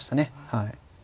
はい。